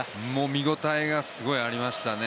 見応えがすごいありましたね。